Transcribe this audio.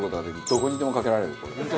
どこにでもかけられるこれ。